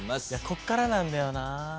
こっからなんだよな。